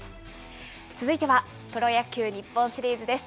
続いてはプロ野球日本シリーズです。